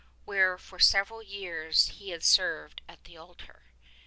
72 where for several years he had served at the altar.